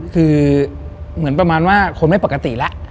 คือเหมือนประมาณว่าคนไม่ปกติแล้ว